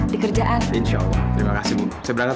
bu saya mau pamit dulu mau berangkat